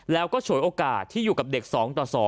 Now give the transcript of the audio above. แล้วก็ฉวยโอกาสที่อยู่กับเด็ก๒ต่อ๒